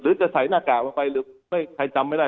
หรือจะใส่หน้ากากลงไปใครจำไม่ได้